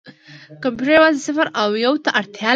کمپیوټر یوازې صفر او یو ته اړتیا لري.